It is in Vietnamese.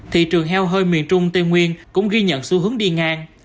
thị trường heo hơi miền trung tây nguyên cũng ghi nhận xu hướng đi ngang